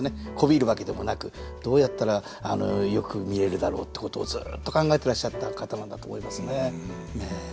媚びるわけでもなくどうやったらよく見えるだろうってことをずっと考えてらっしゃった方なんだと思いますね。